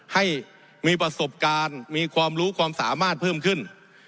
ให้มีประสบการณ์มีความรู้ความสามารถเพิ่มขึ้น